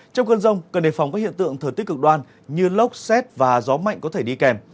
trong cơn rông cần đề phòng các hiện tượng thời tiết cực đoan như lốc xét và gió mạnh có thể đi kèm